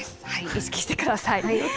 意識してください。